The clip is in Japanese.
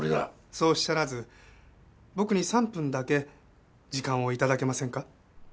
そうおっしゃらず僕に３分だけ時間を頂けませんか？